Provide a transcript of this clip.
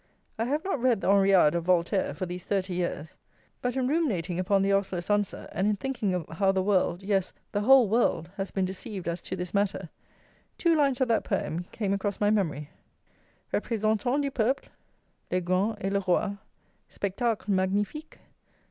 I have not read the Henriade of Voltaire for these 30 years; but in ruminating upon the ostler's answer, and in thinking how the world, yes, the whole world, has been deceived as to this matter, two lines of that poem came across my memory: Représentans du peuple, les Grands et le Roi: Spectacle magnifique!